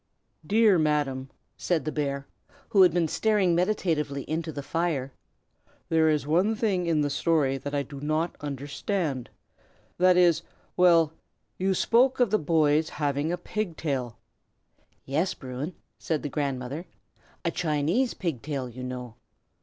"Dear Madam," said the bear, who had been staring meditatively into the fire, "there is one thing in the story that I do not understand; that is well you spoke of the boy's having a pig tail." "Yes, Bruin!" said the grandmother. "A Chinese pig tail, you know."